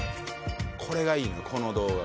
これがいいのよ